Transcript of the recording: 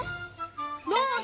どうぞ！